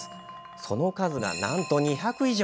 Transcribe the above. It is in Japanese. その数がなんと２００以上。